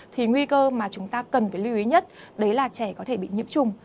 thì nguy cơ mà chúng ta cần phải lưu ý nhất đấy là trẻ có thể bị nhiễm trùng